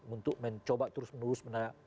untuk mencoba terus menerus